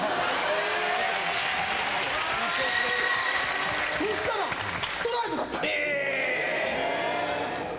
・へぇ・そしたらストライクだったんです。